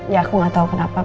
ya aku gak tahu kenapa